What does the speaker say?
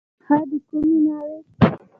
ښه د کومې ناوې.